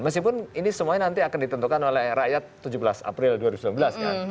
meskipun ini semuanya nanti akan ditentukan oleh rakyat tujuh belas april dua ribu sembilan belas kan